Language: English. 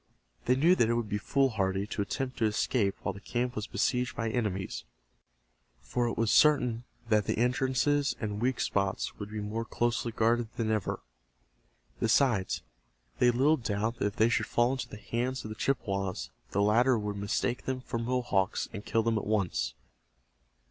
They knew that it would be foolhardy to attempt to escape while the camp was besieged by enemies, for it was certain that the entrances and weak spots would be more closely guarded than ever. Besides, they had little doubt that if they should fall into the hands of the Chippewas the latter would mistake them for Mohawks, and kill them at once.